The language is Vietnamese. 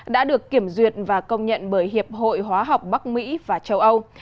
đã được kiểm duyệt và công nhận bởi hiệp hội hóa học bắc mỹ và châu âu